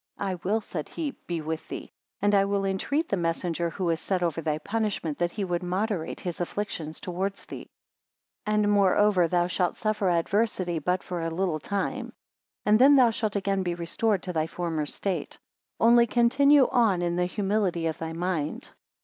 I will, said he, be with thee; and I will entreat the messenger who is set over thy punishment, that he would moderate his afflictions towards thee. 15 And moreover thou shalt suffer adversity but for a little time; and then thou shalt again be restored to thy former state; only continue on in the humility of thy mind.